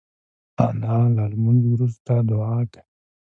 انا له لمونځ وروسته دعا کوي